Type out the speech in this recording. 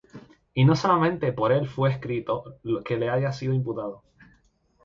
Y no solamente por él fué escrito que le haya sido imputado;